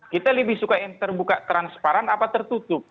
kita lebih suka yang terbuka transparan apa tertutup